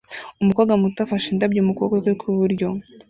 Umukobwa muto afashe indabyo mu kuboko kwe kw'iburyo